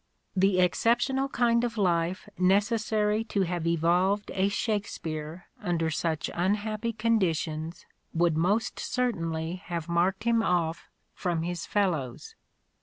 The exceptional kind of life necessary to have evolved a " Shakespeare " under such unhappy conditions would most certainly have marked him off from his fellows.